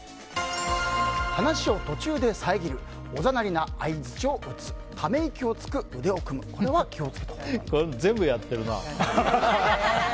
話を途中で遮るおざなりな相づちを打つため息をつく腕を組む全部やってるな。